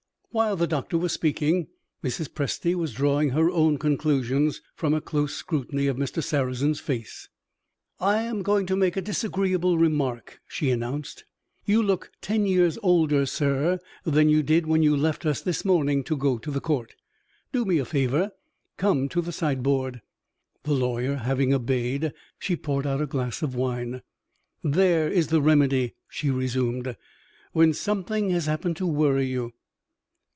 While the doctor was speaking, Mrs. Presty was drawing her own conclusions from a close scrutiny of Mr. Sarrazin's face. "I am going to make a disagreeable remark," she announced. "You look ten years older, sir, than you did when you left us this morning to go to the Court. Do me a favor come to the sideboard." The lawyer having obeyed, she poured out a glass of wine. "There is the remedy," she resumed, "when something has happened to worry you."